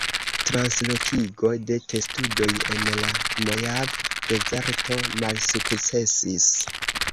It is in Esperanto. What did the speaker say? Translokigo de testudoj en la Mojave-Dezerto malsukcesis.